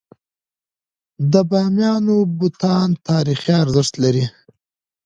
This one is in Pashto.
د بامیانو بتان تاریخي ارزښت لري.